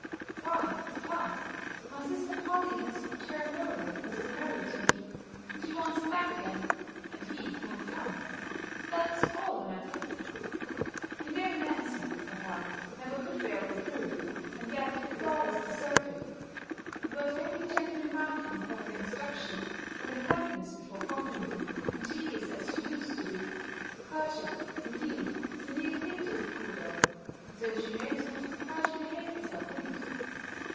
"Why, papa, my sister Polly has turned over Mr. Murray to me, and she wants him back again, and he won't come That's all the matter!" "You know Nancy, papa, never could bear reproof, and yet would always deserve it! I was only gently remarking for her instruction, on her fondness before company, and she is as she used to be! Courtship, indeed, is a new thing to the poor girl, and so she knows not how to behave herself in it."